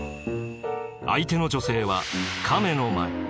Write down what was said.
相手の女性は亀の前。